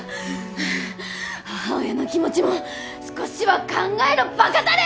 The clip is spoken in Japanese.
ハァ母親の気持ちも少しは考えろバカタレ！